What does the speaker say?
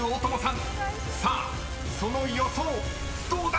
［さあその予想どうだ⁉］